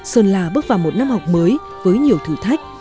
sơn la bước vào một năm học mới với nhiều thử thách